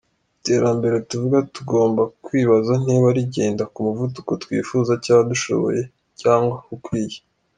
Iterambere tuvuga tugomba kwibaza niba rigenda ku muvuduko twifuza cyangwa dushoboye cyangwa ukwiye.